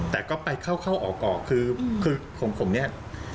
แต่ก็ไปเข้าออกคือของผมเนี่ย